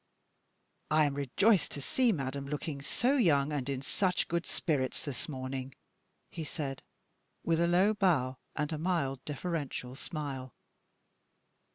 "I am rejoiced to see madame looking so young and in such good spirits this morning," he said, with a low bow and a mild, deferential smile.